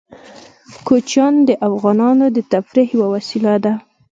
کوچیان د افغانانو د تفریح یوه وسیله ده.